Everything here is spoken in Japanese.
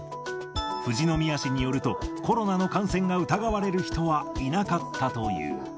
富士宮市によると、コロナの感染が疑われる人はいなかったという。